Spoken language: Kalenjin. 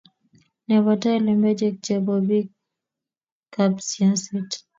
nebo tai, lembechek chebo bikaap siaset